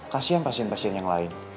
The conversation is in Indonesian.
kasian pasien pasien yang lain